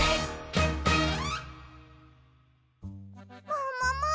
ももも！